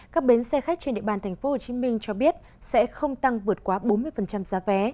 các bến xe khách trên địa bàn tp hcm cho biết sẽ không tăng vượt quá bốn mươi giá vé